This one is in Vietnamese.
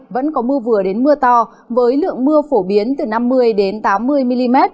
vẫn có mưa vừa đến mưa to với lượng mưa phổ biến từ năm mươi tám mươi mm